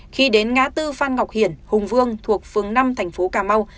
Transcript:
khi đến ngã tư phan ngọc hiển hùng vương thuộc phường năm thành phố cà mau